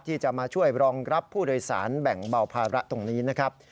ที่จะมาช่วยรองรับผู้โดยสารแบ่งเบาภาระตรงนี้นะครับ